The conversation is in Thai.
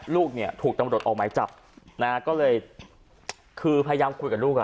ลูกถูกตำรวจออกมาจับก็เลยพยายามคุยกับลูก